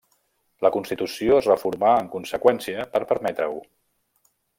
La constitució es reformà en conseqüència per permetre-ho.